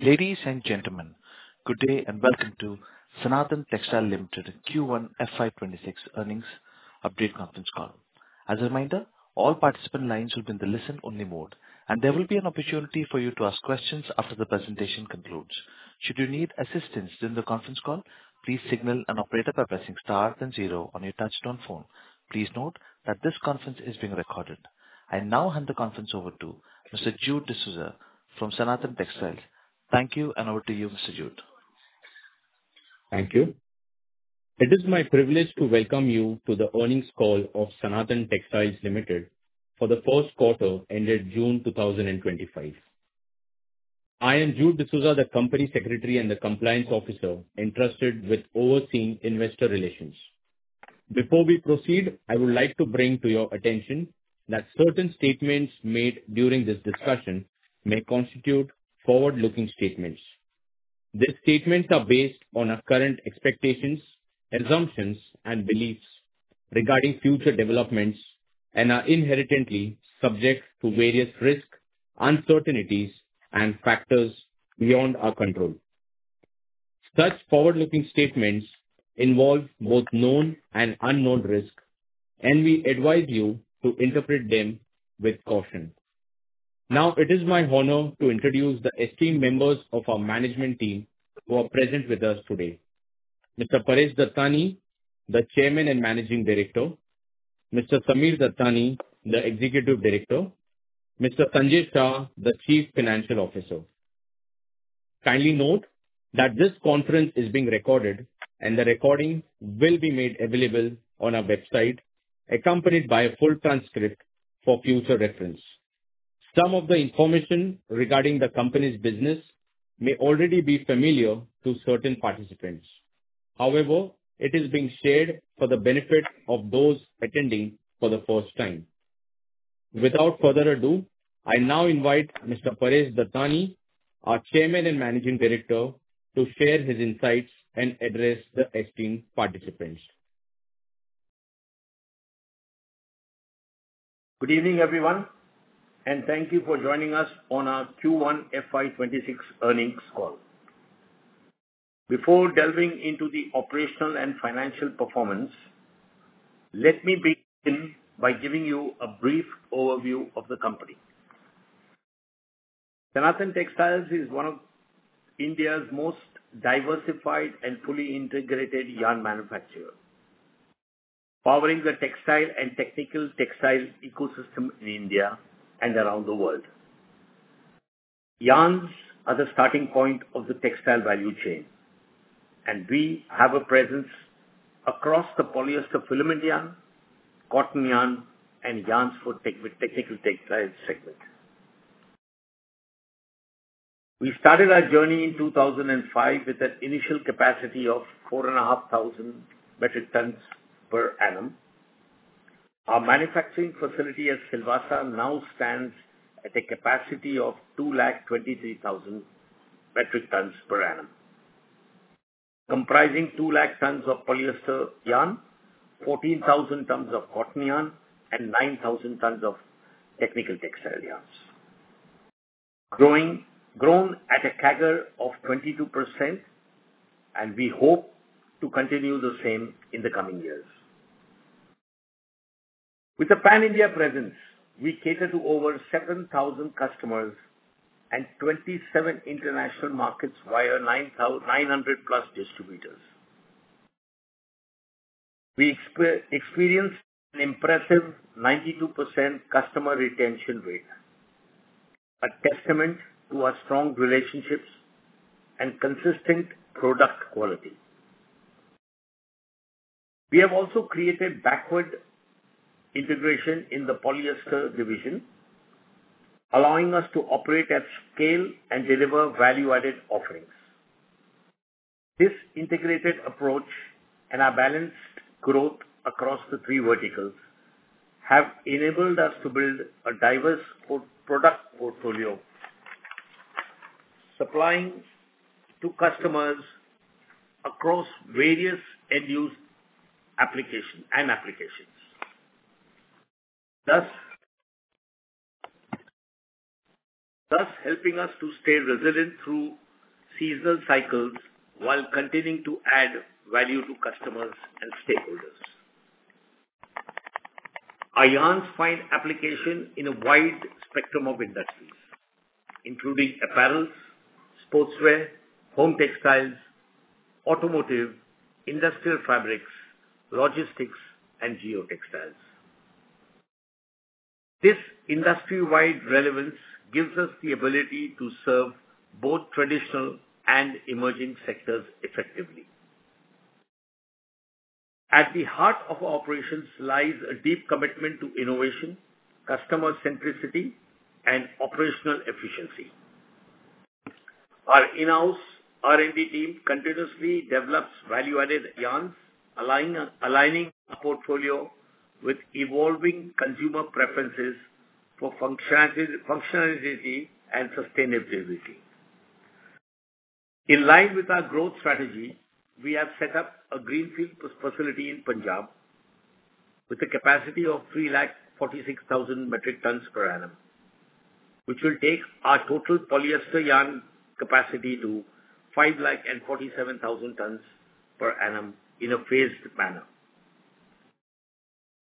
Ladies and gentlemen, good day and welcome to Sanathan Textiles Limited Q1 FY26 earnings update conference call. As a reminder, all participant lines will be in the listen-only mode, and there will be an opportunity for you to ask questions after the presentation concludes. Should you need assistance during the conference call, please signal an operator by pressing star then zero on your touch-tone phone. Please note that this conference is being recorded. I now hand the conference over to Mr. Jude D'Souza from Sanathan Textiles Limited. Thank you, and over to you, Mr. Jude. Thank you. It is my privilege to welcome you to the earnings call of Sanathan Textiles Limited for the first quarter ended June 2025. I am Jude D'Souza, the company secretary and the compliance officer entrusted with overseeing investor relations. Before we proceed, I would like to bring to your attention that certain statements made during this discussion may constitute forward-looking statements. These statements are based on our current expectations, assumptions, and beliefs regarding future developments and are inherently subject to various risks, uncertainties, and factors beyond our control. Such forward-looking statements involve both known and unknown risks, and we advise you to interpret them with caution. Now, it is my honor to introduce the esteemed members of our management team who are present with us today: Mr. Paresh Dattani, the Chairman and Managing Director. Mr. Sammir Dattani, the Executive Director. Mr. Sanjay Shah, the Chief Financial Officer. Kindly note that this conference is being recorded, and the recording will be made available on our website, accompanied by a full transcript for future reference. Some of the information regarding the company's business may already be familiar to certain participants. However, it is being shared for the benefit of those attending for the first time. Without further ado, I now invite Mr. Paresh Dattani, our Chairman and Managing Director, to share his insights and address the esteemed participants. Good evening, everyone, and thank you for joining us on our Q1 FY26 earnings call. Before delving into the operational and financial performance, let me begin by giving you a brief overview of the company. Sanathan Textiles is one of India's most diversified and fully integrated yarn manufacturers, powering the textile and technical textile ecosystem in India and around the world. Yarns are the starting point of the textile value chain, and we have a presence across the polyester filament yarn, cotton yarn, and yarns for technical textiles segment. We started our journey in 2005 with an initial capacity of 4,500 metric tons per annum. Our manufacturing facility at Silvassa now stands at a capacity of 223,000 metric tons per annum, comprising 2,000,000 tons of polyester yarn, 14,000 tons of cotton yarn, and 9,000 tons of technical textile yarns, growing at a CAGR of 22%, and we hope to continue the same in the coming years. With a pan-India presence, we cater to over 7,000 customers and 27 international markets via 900+ distributors. We experience an impressive 92% customer retention rate, a testament to our strong relationships and consistent product quality. We have also created backward integration in the polyester division, allowing us to operate at scale and deliver value-added offerings. This integrated approach and our balanced growth across the three verticals have enabled us to build a diverse product portfolio, supplying to customers across various end-use applications, thus helping us to stay resilient through seasonal cycles while continuing to add value to customers and stakeholders. Our yarns find application in a wide spectrum of industries, including apparels, sportswear, home textiles, automotive, industrial fabrics, logistics, and geotextiles. This industry-wide relevance gives us the ability to serve both traditional and emerging sectors effectively. At the heart of our operations lies a deep commitment to innovation, customer centricity, and operational efficiency. Our in-house R&D team continuously develops value-added yarns, aligning our portfolio with evolving consumer preferences for functionality and sustainability. In line with our growth strategy, we have set up a greenfield facility in Punjab with a capacity of 346,000 metric tons per annum, which will take our total polyester yarn capacity to 547,000 tons per annum in a phased manner.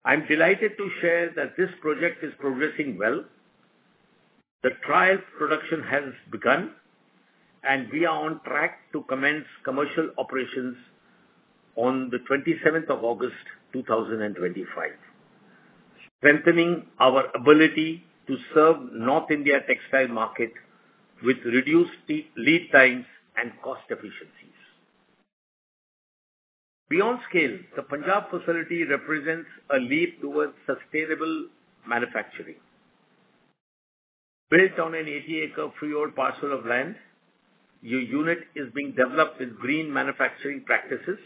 I'm delighted to share that this project is progressing well. The trial production has begun, and we are on track to commence commercial operations on the 27th of August, 2025, strengthening our ability to serve the North India textile market with reduced lead times and cost efficiencies. Beyond scale, the Punjab facility represents a leap towards sustainable manufacturing. Built on an 80-acre freehold parcel of land, your unit is being developed with green manufacturing practices,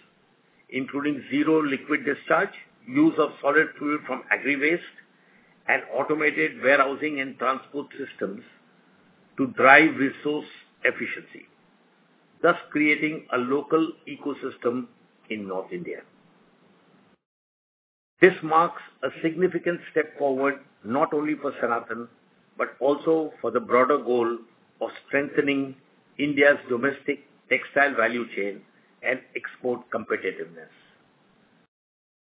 including zero liquid discharge, use of solid fuel from agri waste, and automated warehousing and transport systems to drive resource efficiency, thus creating a local ecosystem in North India. This marks a significant step forward not only for Sanathan but also for the broader goal of strengthening India's domestic textile value chain and export competitiveness.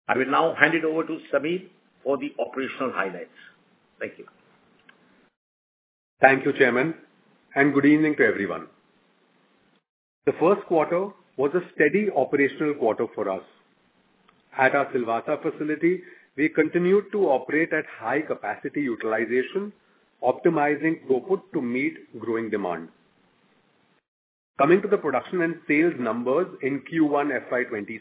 I will now hand it over to Sameer for the operational highlights. Thank you. Thank you, Chairman, and good evening to everyone. The first quarter was a steady operational quarter for us. At our Silvassa facility, we continued to operate at high capacity utilization, optimizing throughput to meet growing demand. Coming to the production and sales numbers in Q1 FY26,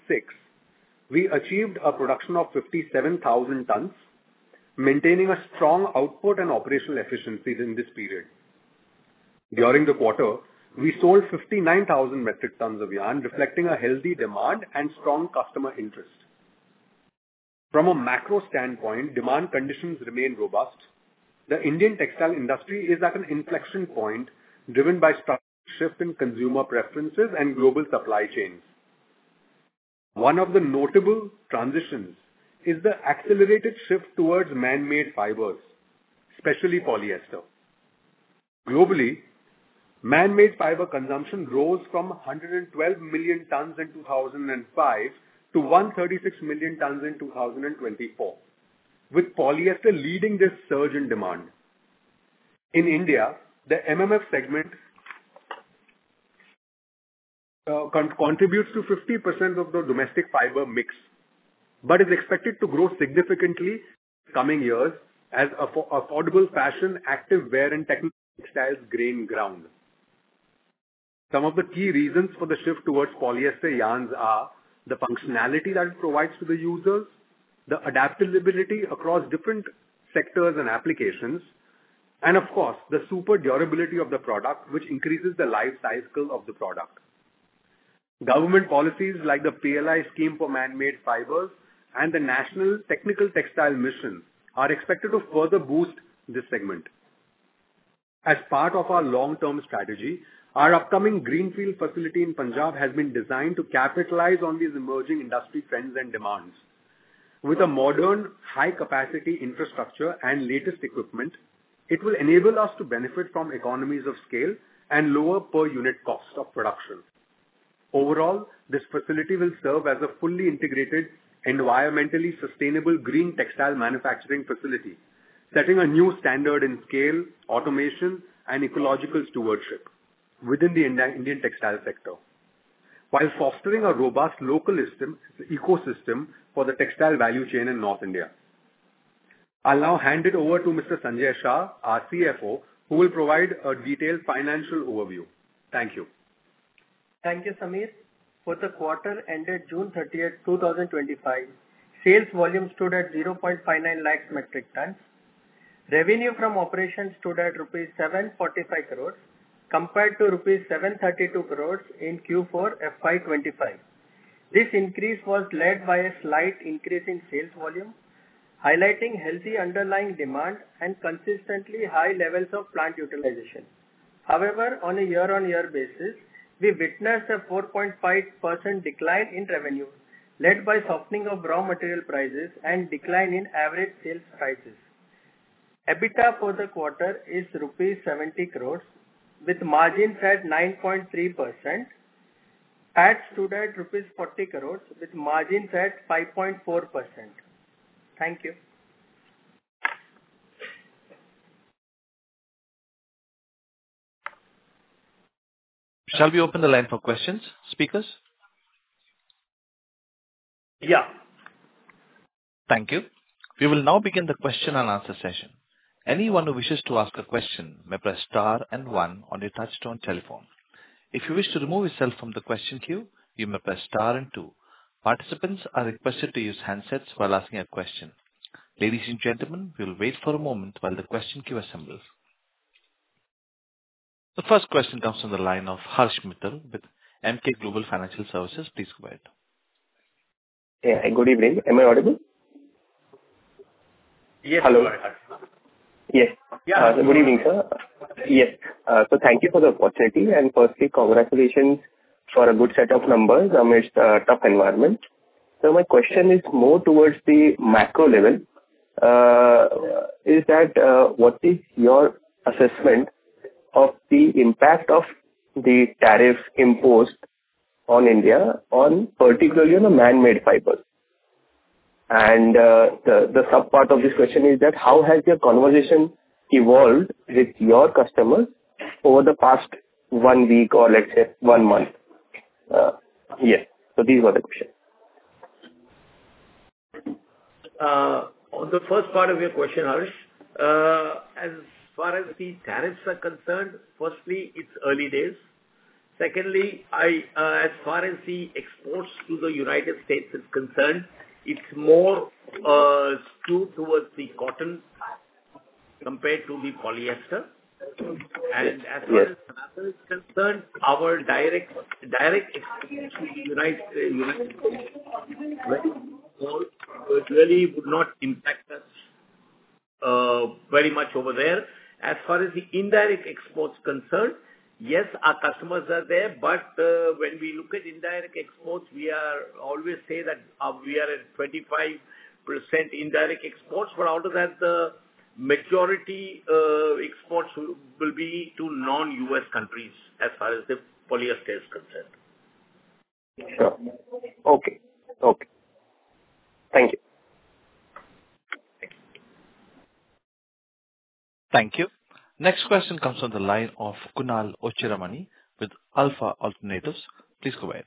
we achieved a production of 57,000 tons, maintaining a strong output and operational efficiencies in this period. During the quarter, we sold 59,000 metric tons of yarn, reflecting a healthy demand and strong customer interest. From a macro standpoint, demand conditions remain robust. The Indian textile industry is at an inflection point driven by structural shifts in consumer preferences and global supply chains. One of the notable transitions is the accelerated shift towards man-made fibers, especially polyester. Globally, man-made fiber consumption rose from 112 million tons in 2005 to 136 million tons in 2024, with polyester leading this surge in demand. In India, the MMF segment contributes to 50% of the domestic fiber mix but is expected to grow significantly in the coming years as affordable fashion, active wear, and technical textiles gain ground. Some of the key reasons for the shift towards polyester yarns are the functionality that it provides to the users, the adaptability across different sectors and applications, and, of course, the super durability of the product, which increases the life cycle of the product. Government policies like the PLI scheme for man-made fibers and the National Technical Textile Mission are expected to further boost this segment. As part of our long-term strategy, our upcoming greenfield facility in Punjab has been designed to capitalize on these emerging industry trends and demands. With a modern, high-capacity infrastructure and latest equipment, it will enable us to benefit from economies of scale and lower per-unit cost of production. Overall, this facility will serve as a fully integrated, environmentally sustainable green textile manufacturing facility, setting a new standard in scale, automation, and ecological stewardship within the Indian textile sector, while fostering a robust local ecosystem for the textile value chain in North India. I'll now hand it over to Mr. Sanjay Shah, our CFO, who will provide a detailed financial overview. Thank you. Thank you, Sameer. For the quarter ended June 30, 2025, sales volume stood at 0.59 lakhs metric tons. Revenue from operations stood at rupees 745 crore, compared to rupees 732 crore in Q4 FY25. This increase was led by a slight increase in sales volume, highlighting healthy underlying demand and consistently high levels of plant utilization. However, on a year-on-year basis, we witnessed a 4.5% decline in revenue, led by softening of raw material prices and decline in average sales prices. EBITDA for the quarter is rupees 70 crore, with margins at 9.3%. PAT stood at rupees 40 crore, with margins at 5.4%. Thank you. Shall we open the line for questions, speakers? Yeah. Thank you. We will now begin the question and answer session. Anyone who wishes to ask a question may press star and one on your touch-tone telephone. If you wish to remove yourself from the question queue, you may press star and two. Participants are requested to use handsets while asking a question. Ladies and gentlemen, we will wait for a moment while the question queue assembles. The first question comes from the line of Harsh Mittal with Emkay Global Financial Services. Please go ahead. Yeah. Good evening. Am I audible? Yes. Hello. You are audible. Yes. Yeah. Good evening, sir. Yes. So thank you for the opportunity. And firstly, congratulations for a good set of numbers amidst a tough environment. So my question is more towards the macro level. What is your assessment of the impact of the tariffs imposed on India, particularly on man-made fibers? And the subpart of this question is that how has your conversation evolved with your customers over the past one week or, let's say, one month? Yes. So these were the questions. On the first part of your question, Harsh, as far as the tariffs are concerned, firstly, it's early days. Secondly, as far as the exports to the United States is concerned, it's more skewed towards the cotton compared to the polyester. And as far as tariffs is concerned, our direct exports to the United States really would not impact us very much over there. As far as the indirect exports concern, yes, our customers are there. But when we look at indirect exports, we always say that we are at 25% indirect exports. But out of that, the majority exports will be to non-U.S. countries as far as the polyester is concerned. Sure. Okay. Okay. Thank you. Thank you. Next question comes from the line of Kunal Ochiramani with Alpha Alternatives. Please go ahead.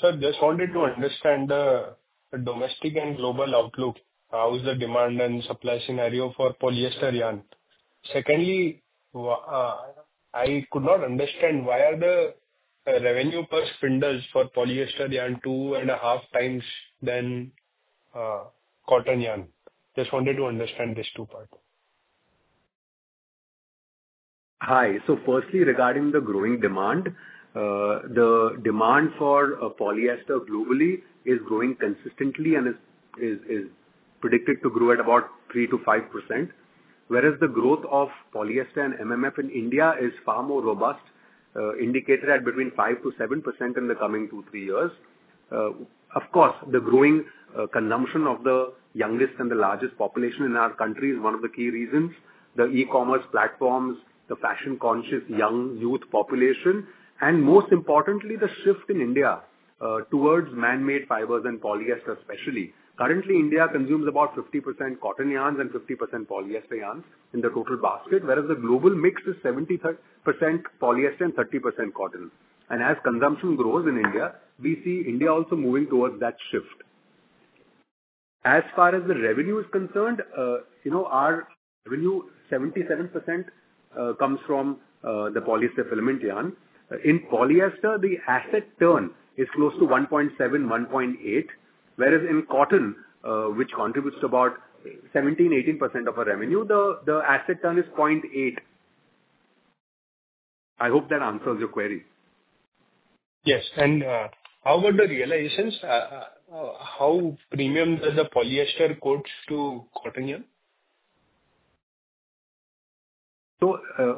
Sir, just wanted to understand the domestic and global outlook. How is the demand and supply scenario for polyester yarn? Secondly, I could not understand why are the revenue per spindles for polyester yarn two and a half times than cotton yarn. Just wanted to understand these two parts. Hi. So firstly, regarding the growing demand, the demand for polyester globally is growing consistently and is predicted to grow at about 3%-5%, whereas the growth of polyester and MMF in India is far more robust, indicated at between 5%-7% in the coming two to three years. Of course, the growing consumption of the youngest and the largest population in our country is one of the key reasons: the e-commerce platforms, the fashion-conscious young youth population, and most importantly, the shift in India towards man-made fibers and polyester especially. Currently, India consumes about 50% cotton yarns and 50% polyester yarns in the total basket, whereas the global mix is 73% polyester and 30% cotton. And as consumption grows in India, we see India also moving towards that shift. As far as the revenue is concerned, our revenue, 77%, comes from the polyester filament yarn. In polyester, the asset turnover is close to 1.7%-1.8%, whereas in cotton, which contributes to about 17%-18% of our revenue, the asset turnover is 0.8%. I hope that answers your query. Yes. And how about the realizations? How premium does the polyester go to cotton yarn?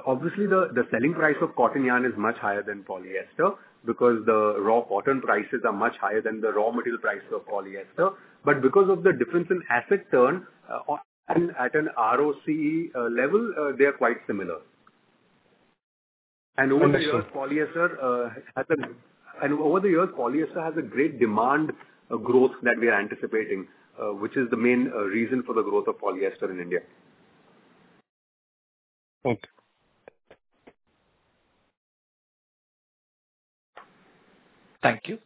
Obviously, the selling price of cotton yarn is much higher than polyester because the raw cotton prices are much higher than the raw material price of polyester. Because of the difference in asset turnover at an ROC level, they are quite similar. Over the years, polyester has a great demand growth that we are anticipating, which is the main reason for the growth of polyester in India. Thank you.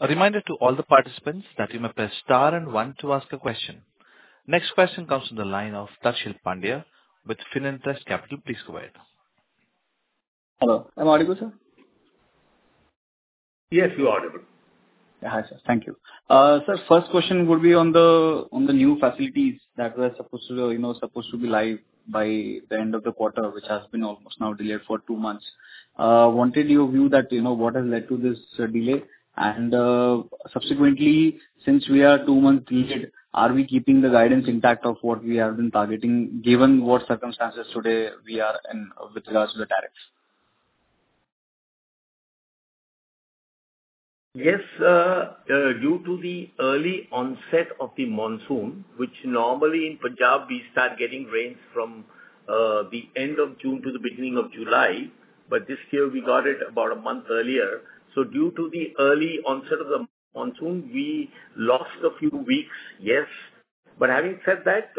A reminder to all the participants that you may press star and one to ask a question. Next question comes from the line of Darshil Pandya with Finterest Capital. Please go ahead. Hello. Am I audible, sir? Yes, you're audible. Yeah. Hi, sir. Thank you. Sir, first question would be on the new facilities that were supposed to be live by the end of the quarter, which has been almost now delayed for two months. Wanted your view on what has led to this delay, and subsequently, since we are two months delayed, are we keeping the guidance intact of what we have been targeting, given what circumstances today we are in with regards to the tariffs? Yes. Due to the early onset of the monsoon, which normally in Punjab, we start getting rains from the end of June to the beginning of July, but this year we got it about a month earlier. So due to the early onset of the monsoon, we lost a few weeks, yes. But having said that,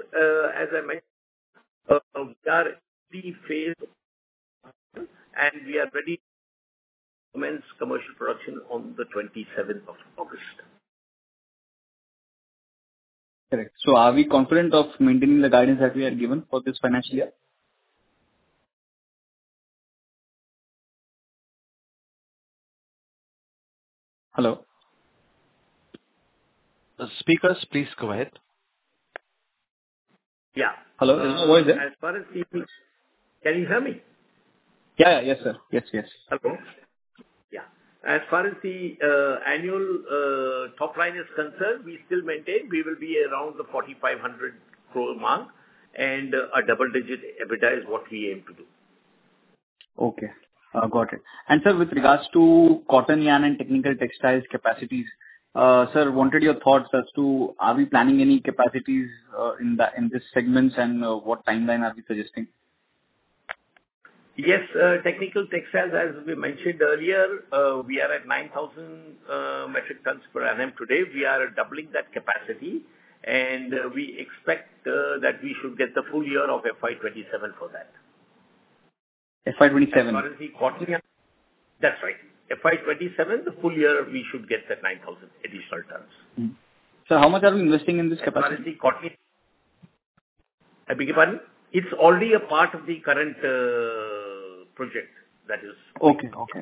as I mentioned, we are in the phase of, and we are ready to commence commercial production on the 27th of August. Correct. So are we confident of maintaining the guidance that we are given for this financial year? Hello? Speakers, please go ahead. Yeah. Hello? There's no voice there. Can you hear me? Yeah. Yeah. Yes, sir. Yes. Yes. Hello. Yeah. As far as the annual top line is concerned, we still maintain we will be around the 4,500 crore mark, and a double-digit EBITDA is what we aim to do. Okay. Got it. And sir, with regards to cotton yarn and technical textiles capacities, sir, wanted your thoughts as to are we planning any capacities in these segments, and what timeline are we suggesting? Yes. Technical textiles, as we mentioned earlier, we are at 9,000 metric tons per annum today. We are doubling that capacity, and we expect that we should get the full year of FY27 for that. FY27? That's right. FY27, the full year, we should get that 9,000 additional tons. How much are we investing in this capacity? I beg your pardon? It's already a part of the current project that is in Punjab. Okay. Okay.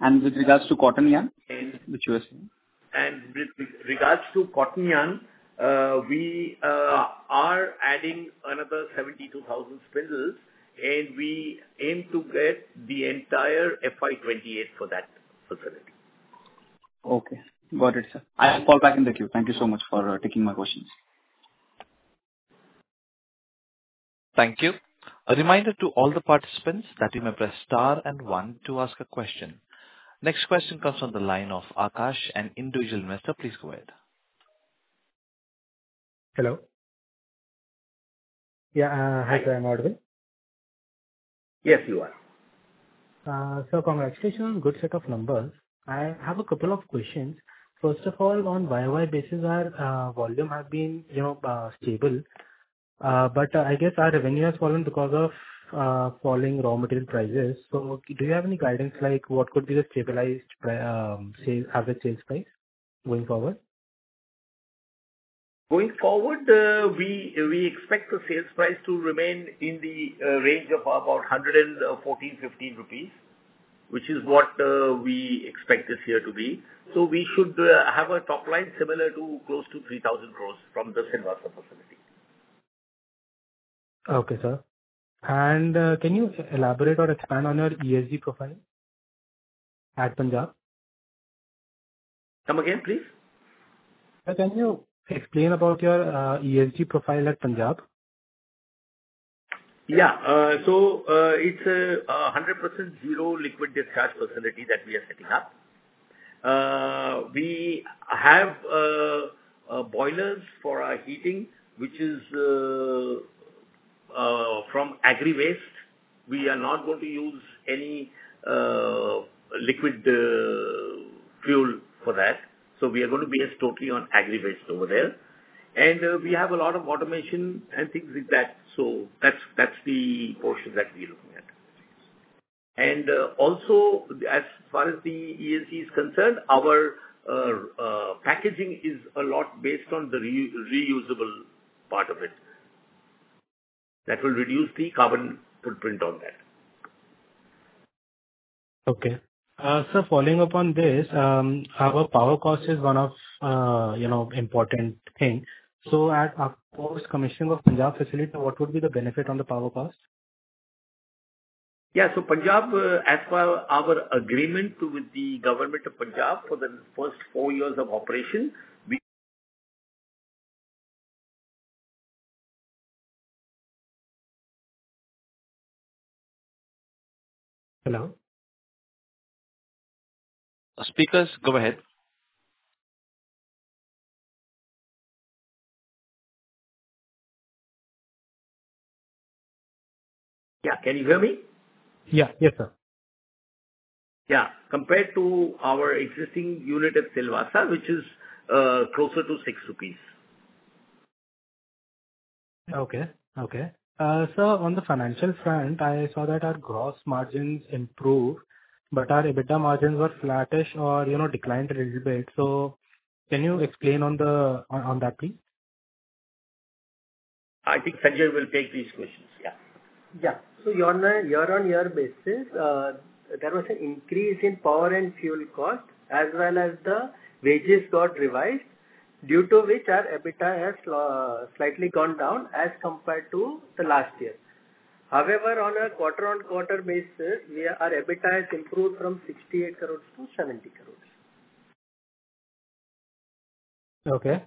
And with regards to cotton yarn? With regards to cotton yarn, we are adding another 72,000 spindles, and we aim to get the entire FY28 for that facility. Okay. Got it, sir. I'll fall back in the queue. Thank you so much for taking my questions. Thank you. A reminder to all the participants that you may press star and one to ask a question. Next question comes from the line of Akash, an individual investor. Please go ahead. Hello. Yeah. Hi, sir. I'm audible. Yes, you are. Sir, congratulations. Good set of numbers. I have a couple of questions. First of all, on a YoY basis, our volume has been stable, but I guess our revenue has fallen because of falling raw material prices. So do you have any guidance like what could be the stabilized average sales price going forward? Going forward, we expect the sales price to remain in the range of about 114-115 rupees, which is what we expect this year to be. So we should have a top line similar to close to 3,000 crores from the Silvassa facility. Okay, sir, and can you elaborate or expand on your ESG profile at Punjab? Come again, please? Sir, can you explain about your ESG profile at Punjab? Yeah. So it's a 100% zero liquid discharge facility that we are setting up. We have boilers for our heating, which is from agri waste. We are not going to use any liquid fuel for that. So we are going to base totally on agri waste over there. And we have a lot of automation and things like that. So that's the portion that we are looking at. And also, as far as the ESG is concerned, our packaging is a lot based on the reusable part of it that will reduce the carbon footprint on that. Okay. Sir, following up on this, our power cost is one of the important things. So at our post-commissioning of Punjab facility, what would be the benefit on the power cost? Yeah, so Punjab, as per our agreement with the Government of Punjab for the first four years of operation, we. Hello? Speakers, go ahead. Yeah. Can you hear me? Yeah. Yes, sir. Yeah. Compared to our existing unit at Silvassa, which is closer to 6 rupees. Okay. Sir, on the financial front, I saw that our gross margins improved, but our EBITDA margins were flattish or declined a little bit. So can you explain on that, please? I think Sanjay will take these questions. Yeah. Yeah. So, on a year-on-year basis, there was an increase in power and fuel cost, as well as the wages got revised, due to which our EBITDA has slightly gone down as compared to the last year. However, on a quarter-on-quarter basis, our EBITDA has improved from 68 crores to 70 crores. Okay.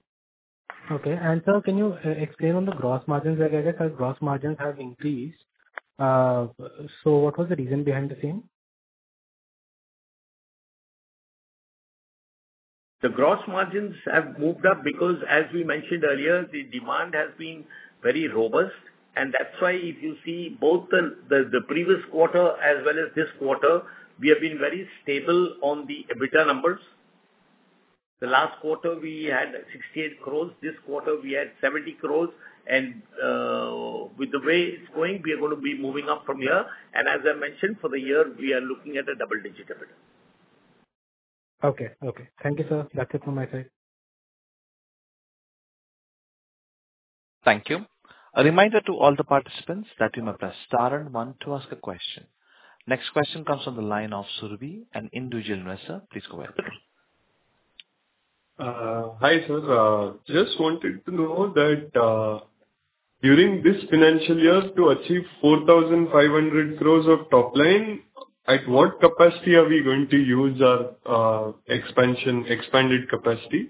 And sir, can you explain on the gross margins? I guess our gross margins have increased. So what was the reason behind the same? The gross margins have moved up because, as we mentioned earlier, the demand has been very robust. And that's why if you see both the previous quarter as well as this quarter, we have been very stable on the EBITDA numbers. The last quarter, we had 68 crores. This quarter, we had 70 crores. And with the way it's going, we are going to be moving up from here. And as I mentioned, for the year, we are looking at a double-digit EBITDA. Okay. Okay. Thank you, sir. That's it from my side. Thank you. A reminder to all the participants that you may press star and one to ask a question. Next question comes from the line of Surabhi, an individual investor. Please go ahead. Hi, sir. Just wanted to know that during this financial year, to achieve 4,500 crores of top line, at what capacity are we going to use our expanded capacity?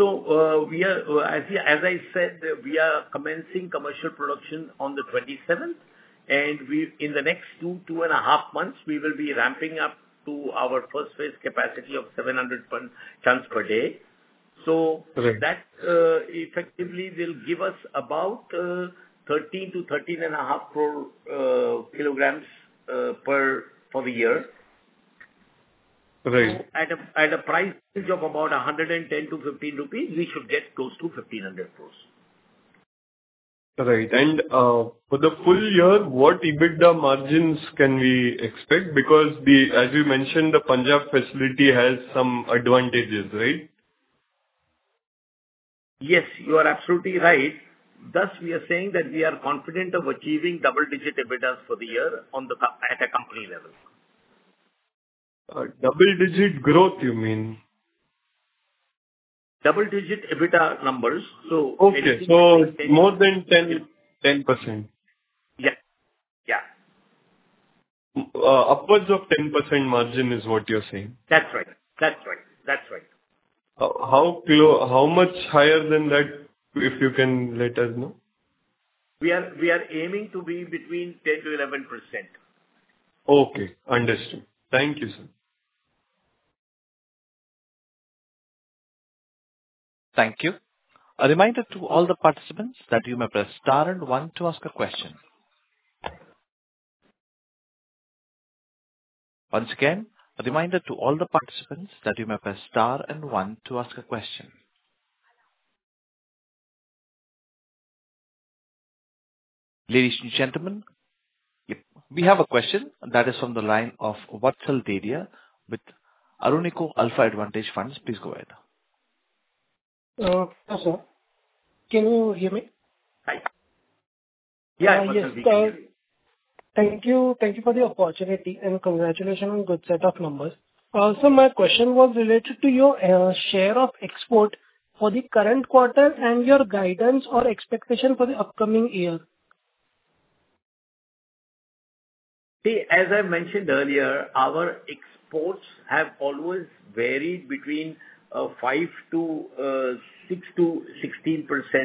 As I said, we are commencing commercial production on the 27th. In the next two, two and a half months, we will be ramping up to our first phase capacity of 700 tons per day. That effectively will give us about 13 crore kilograms-13.5 crore kilograms for the year. At a price range of about 110 to 115 rupees, we should get close to 1,500 crores. Right. And for the full year, what EBITDA margins can we expect? Because, as you mentioned, the Punjab facility has some advantages, right? Yes. You are absolutely right. Thus, we are saying that we are confident of achieving double-digit EBITDA for the year at a company level. Double-digit growth, you mean? Double-digit EBITDA numbers. So it is. Okay. So more than 10%? Yeah. Yeah. Upwards of 10% margin is what you're saying? That's right. How much higher than that, if you can let us know? We are aiming to be between 10%-11%. Okay. Understood. Thank you, sir. Thank you. A reminder to all the participants that you may press star and one to ask a question. Once again, a reminder to all the participants that you may press star and one to ask a question. Ladies and gentlemen, we have a question that is from the line of Vatsal Dariya with Aruniko Alpha Advantage Funds]. Please go ahead. Hi, sir. Can you hear me? Hi. Yeah. I can hear you. Thank you for the opportunity and congratulations on a good set of numbers. Also, my question was related to your share of export for the current quarter and your guidance or expectation for the upcoming year. See, as I mentioned earlier, our exports have always varied between 6%-16%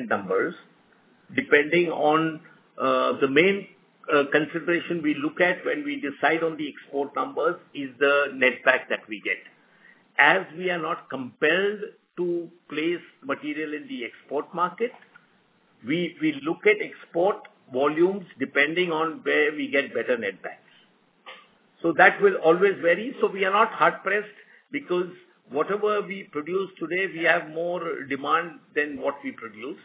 numbers. Depending on the main consideration we look at when we decide on the export numbers is the net back that we get. As we are not compelled to place material in the export market, we look at export volumes depending on where we get better net back. So that will always vary. So we are not hard-pressed because whatever we produce today, we have more demand than what we produce.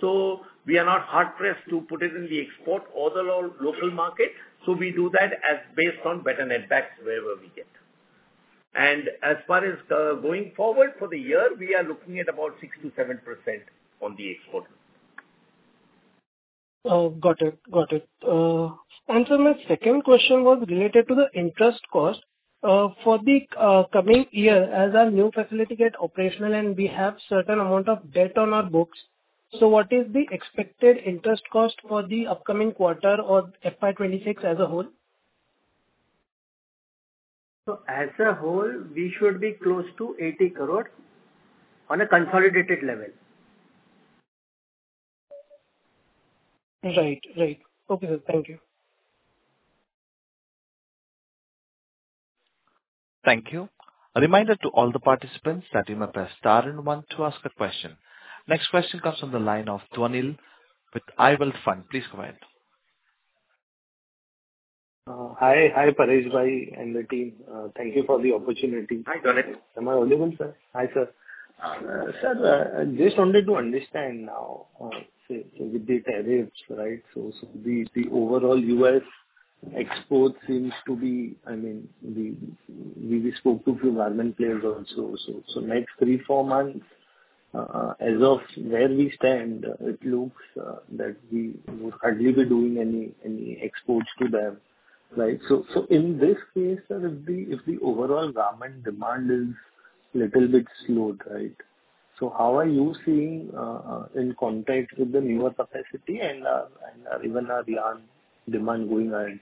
So we are not hard-pressed to put it in the export or the local market. We do that based on better net back wherever we get. As far as going forward for the year, we are looking at about 6%-7% on the export. Got it. Got it. And sir, my second question was related to the interest cost. For the coming year, as our new facility gets operational and we have a certain amount of debt on our books, so what is the expected interest cost for the upcoming quarter or FY26 as a whole? So as a whole, we should be close to 800 million on a consolidated level. Right. Right. Okay, sir. Thank you. Thank you. A reminder to all the participants that you may press star and one to ask a question. Next question comes from the line of Dhwanil with iWealth. Please go ahead. Hi. Hi, Paresh Dattani and the team. Thank you for the opportunity. Hi, Dhwanil. Am I audible, sir? Yes, sir. Sir, just wanted to understand now with the tariffs, right? So the overall U.S. export seems to be I mean, we spoke to a few garment players also. So next three, four months, as of where we stand, it looks that we would hardly be doing any exports to them, right? So in this case, if the overall garment demand is a little bit slowed, right? So how are you seeing in context with the newer capacity and even our yarn demand going ahead?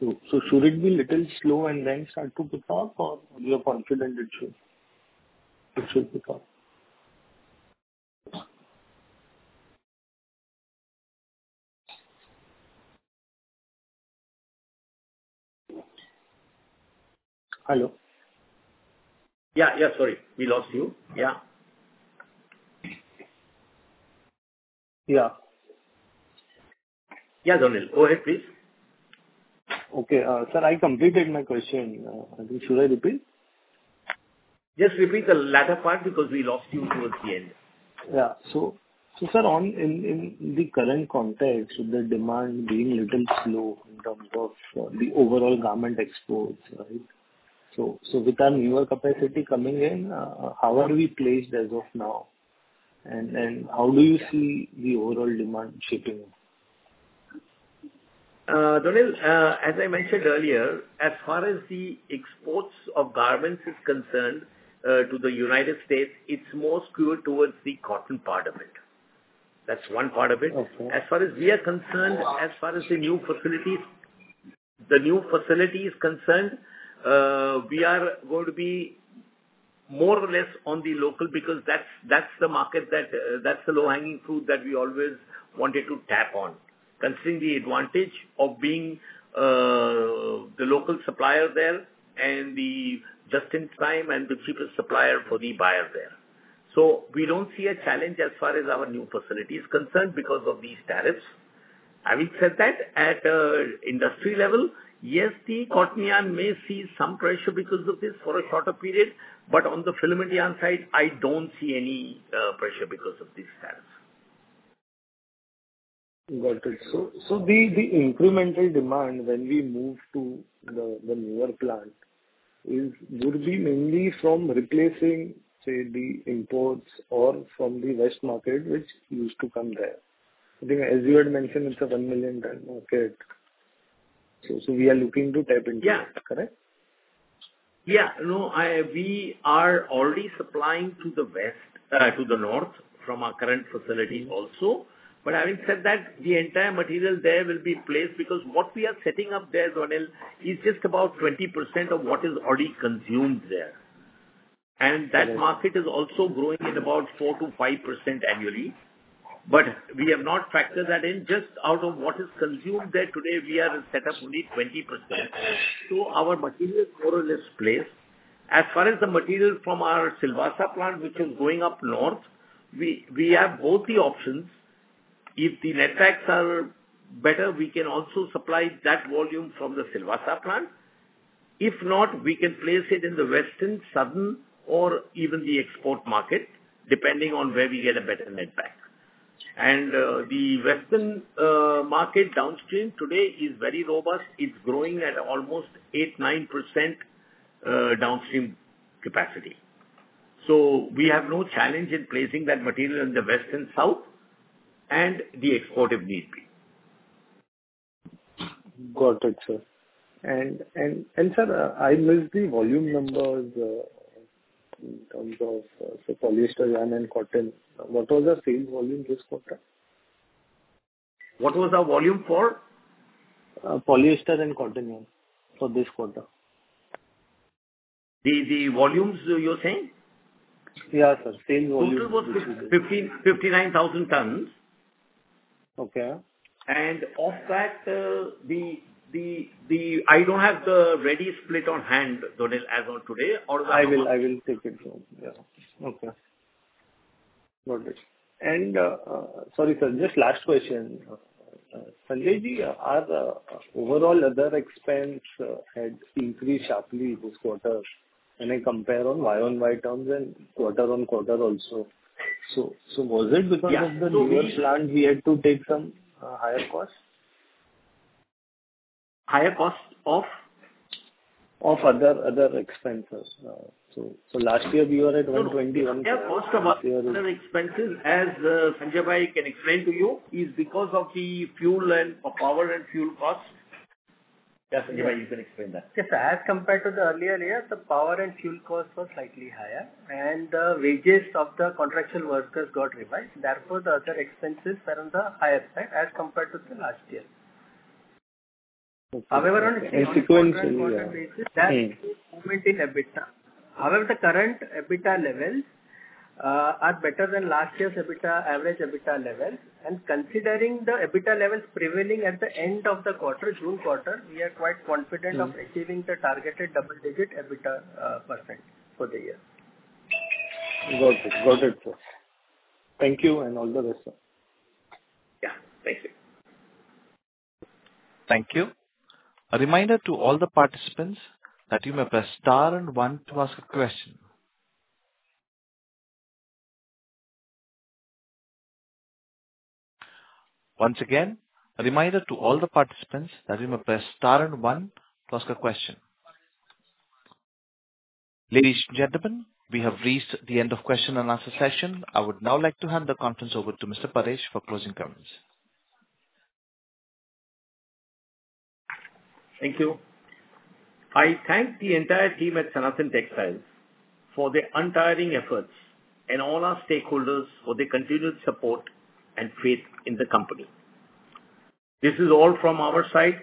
So should it be a little slow and then start to pick up, or you're confident it should pick up? Hello? Yeah. Yeah. Sorry. We lost you. Yeah. Yeah. Yeah, Dhwanil. Go ahead, please. Okay. Sir, I completed my question. Should I repeat? Just repeat the latter part because we lost you towards the end. Yeah. So, sir, in the current context, with the demand being a little slow in terms of the overall government exports, right? So, with our newer capacity coming in, how are we placed as of now? And how do you see the overall demand shaping? Dhwanil, as I mentioned earlier, as far as the exports of garments is concerned to the United States, it's more skewed towards the cotton part of it. That's one part of it. As far as we are concerned, as far as the new facilities concerned, we are going to be more or less on the local because that's the market that's the low-hanging fruit that we always wanted to tap on, considering the advantage of being the local supplier there and the just-in-time and the cheapest supplier for the buyer there. So we don't see a challenge as far as our new facilities concerned because of these tariffs. Having said that, at an industry level, yes, the cotton yarn may see some pressure because of this for a shorter period. But on the filament yarn side, I don't see any pressure because of these tariffs. Got it. So the incremental demand when we move to the newer plant would be mainly from replacing, say, the imports or from the West market, which used to come there. I think, as you had mentioned, it's a 1 million-ton market. So we are looking to tap into that, correct? Yeah. Yeah. No, we are already supplying to the North from our current facility also, but having said that, the entire material there will be placed because what we are setting up there, Dhwanil, is just about 20% of what is already consumed there, and that market is also growing at about 4%-5% annually, but we have not factored that in. Just out of what is consumed there today, we are set up only 20%. So our material is more or less placed. As far as the material from our Silvassa plant, which is going up North, we have both the options. If the net back is better, we can also supply that volume from the Silvassa plant. If not, we can place it in the Western, Southern, or even the export market, depending on where we get a better net back. The Western market downstream today is very robust. It's growing at almost 8%-9% downstream capacity. We have no challenge in placing that material in the West and South, and the export need be. Got it, sir. And sir, I missed the volume numbers in terms of polyester yarn and cotton. What was the sales volume this quarter? What was our volume for? Polyester and cotton yarn for this quarter. The volumes you're saying? Yeah, sir. Sales volumes. Total was 59,000 tons. Okay. Off that, I don't have the ready split on hand, Dhwanil, as of today, or. I will take it from here. Okay. Got it. And sorry, sir, just last question. Sanjay ji, are overall other expenses had increased sharply this quarter when I compare on YoY terms and quarter on quarter also? So was it because of the newer plant we had to take some higher cost? Higher cost of? Of other expenses. So last year, we were at 121. Yeah. Cost of other expenses, as Sanjay bhai can explain to you, is because of the fuel and power and fuel cost. Yeah, Sanjay bhai, you can explain that. Yes, sir. As compared to the earlier year, the power and fuel costs were slightly higher, and the wages of the contractual workers got revised. Therefore, the other expenses were on the higher side as compared to last year. However, on a quarter basis, that's the margin in EBITDA. However, the current EBITDA levels are better than last year's average EBITDA levels. Considering the EBITDA levels prevailing at the end of the quarter, June quarter, we are quite confident of achieving the targeted double-digit EBITDA percentage for the year. Got it. Got it, sir. Thank you and all the best, sir. Yeah. Thank you. Thank you. A reminder to all the participants that you may press star and one to ask a question. Once again, a reminder to all the participants that you may press star and one to ask a question. Ladies and gentlemen, we have reached the end of question and answer session. I would now like to hand the conference over to Mr. Paresh for closing comments. Thank you. I thank the entire team at Sanathan Textiles for their untiring efforts and all our stakeholders for their continued support and faith in the company. This is all from our side.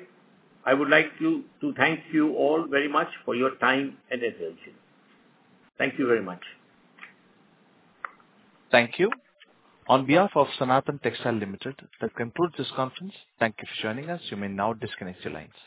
I would like to thank you all very much for your time and attention. Thank you very much. Thank you. On behalf of Sanathan Textiles Limited, that concludes this conference. Thank you for joining us. You may now disconnect your lines.